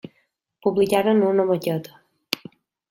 Publicaren una maqueta.